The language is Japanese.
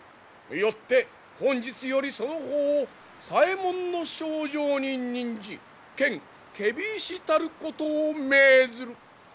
よって本日よりその方を左衛門少尉に任じ兼検非違使たることを命ずる。